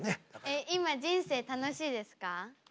えっ今人生楽しいですか？